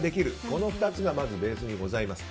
この２つがまずベースにございます。